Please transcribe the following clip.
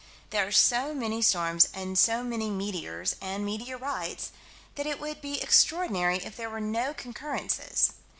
There are so many storms and so many meteors and meteorites that it would be extraordinary if there were no concurrences.